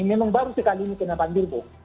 memang baru sekali ini kena banjir bu